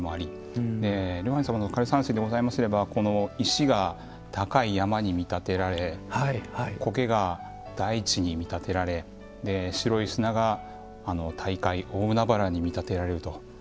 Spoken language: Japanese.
龍安寺様の枯山水でございますればこの石が高い山に見立てられ苔が大地に見立てられ白い砂が大海大海原に見立てられると。